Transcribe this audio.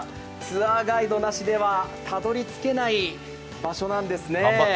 ツアーガイドなしではたどり着けない場所なんですね。